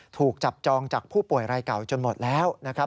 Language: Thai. ถูกจับจองจากผู้ป่วยรายเก่าจนหมดแล้วนะครับ